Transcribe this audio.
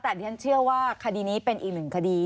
แต่ดิฉันเชื่อว่าคดีนี้เป็นอีกหนึ่งคดี